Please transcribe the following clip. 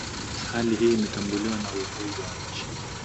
Hali hii imetambuliwa na uongozi wa nchi